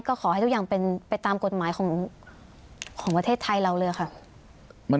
ก็ขอให้ทุกอย่างเป็นไปตามกฎหมายของประเทศไทยเราเลยค่ะ